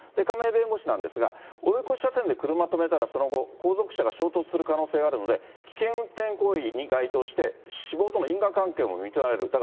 亀井弁護士なんですが、追い越し車線で車止めたらその後、後続車が衝突する可能性があるので、危険運転行為に該当して死亡との因果関係も認められる。